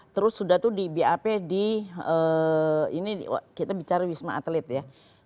terus sudah tuh di bap di ini kita bicara wisma atlet ya